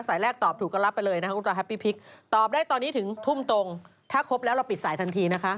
แรกตอบถูกก็รับไปเลยนะคะคุณกอแฮปปี้พลิกตอบได้ตอนนี้ถึงทุ่มตรงถ้าครบแล้วเราปิดสายทันทีนะคะ